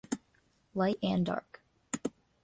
Light and dark.